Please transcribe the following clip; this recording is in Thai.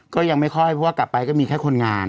ก็ยังไม่ค่อยเพราะว่ากลับไปก็มีแค่คนงาน